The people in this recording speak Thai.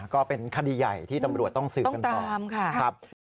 ก็เป็นคดีใหญ่ที่ตำรวจต้องสืบต้องตามค่ะ